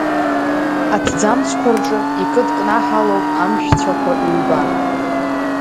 Аҭӡамцқәа рҿы икыдкнаҳалоуп амшә цәақәа ҩба.